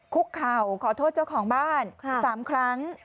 คุกเข่าขอโทษเจ้าของบ้าน๓ครั้ง